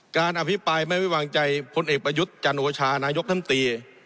อภิปรายไม่ไว้วางใจพลเอกประยุทธ์จันโอชานายกท่านตี